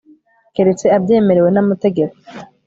keretse abyemerewe n'amategeko